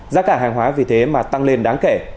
giá cả hàng hóa vì thế mà tăng lên đáng kể